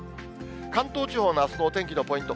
関東地方のあすのお天気のポイント。